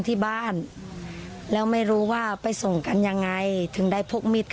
เพิ่มแบบจุดใหญ่ว่าเราก็ต้องจะถึงได้